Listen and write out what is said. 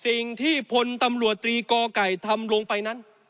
สิ่งที่พลตำรวจตรีกอไก่ทำลงไปนั้น